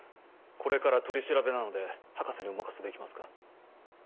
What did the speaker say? これから取り調べなので博士にお任せできますか？